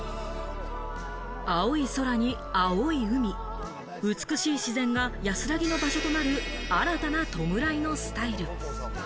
青い空に青い海、美しい自然が安らぎの場所となる、新たな弔いのスタイル。